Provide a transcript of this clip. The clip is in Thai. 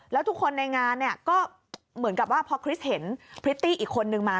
แล้วทุกคนในงานเนี่ยก็เหมือนกับว่าพอคริสเห็นพริตตี้อีกคนนึงมา